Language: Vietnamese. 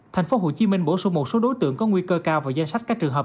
thành phố hồ chí minh bổ sung một số đối tượng có nguy cơ cao vào danh sách các trường hợp